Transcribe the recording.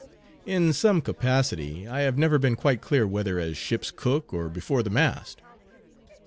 "In some capacity I have never been quite clear whether as ship's cook or before the mast."